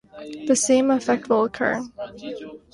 The same effect will occur.